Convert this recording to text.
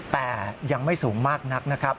แต่ยังไม่สูงมากนักนะครับ